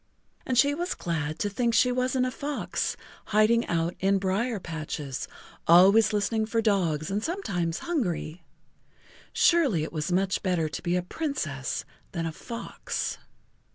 And she was glad to think she wasn't a fox, hiding out in brier patches, always listening for dogs and sometimes hungry. Surely it was much better to be a Princess than a fox.